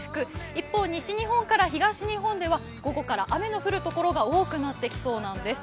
一方、西日本から東日本では午後から雨の降るところが多くなってきそうなんです。